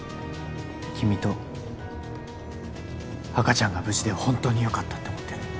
君と赤ちゃんが無事で本当によかったって思ってる。